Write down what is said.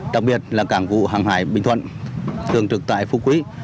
đặc biệt là cảng vụ hàng hải bình thuận thường trực tại phú quý